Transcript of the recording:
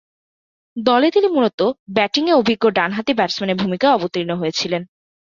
দলে তিনি মূলতঃ ব্যাটিংয়ে অভিজ্ঞ ডানহাতি ব্যাটসম্যানের ভূমিকায় অবতীর্ণ হয়েছিলেন।